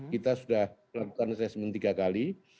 kita sudah melakukan assessment tiga kali